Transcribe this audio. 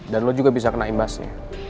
dan lo juga bisa kena imbasnya